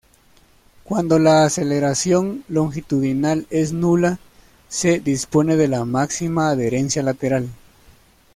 Cuando la aceleración longitudinal es nula, se dispone de la máxima adherencia lateral.